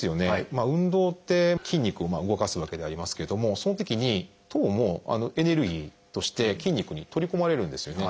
運動って筋肉を動かすわけでありますけれどもそのときに糖もエネルギーとして筋肉に取り込まれるんですよね。